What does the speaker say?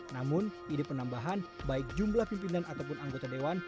namun ide penambahan baik jumlah pimpinan ataupun anggota dewan